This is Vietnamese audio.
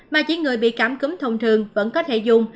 mà chỉ người bị cảm cúm thông thường vẫn có thể dùng